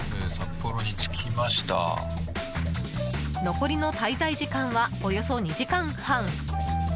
残りの滞在時間はおよそ２時間半。